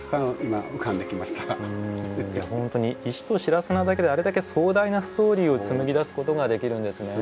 本当に石と白砂だけであれだけ壮大なストーリーを紡ぎ出すことができるんですね。